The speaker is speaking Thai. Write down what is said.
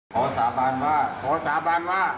สาบานว่าขอสาบานว่า